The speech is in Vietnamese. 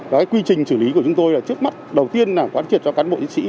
cái quy trình xử lý của chúng tôi là trước mắt đầu tiên là quán triệt cho cán bộ chiến sĩ